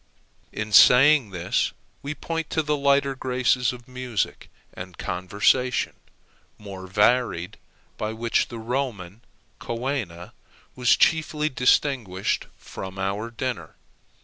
In saying this, we point to the lighter graces of music, and conversation more varied, by which the Roman coena was chiefly distinguished from our dinner.